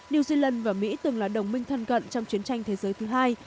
new zealand và mỹ từng là đồng minh thân cận trong chiến tranh thế giới thứ hai